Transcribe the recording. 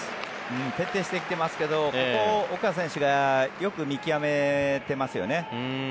徹底してきてますけどここを岡選手がよく見極めてますよね。